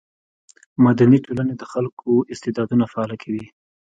مدني ټولنې د خلکو استعدادونه فعاله کوي.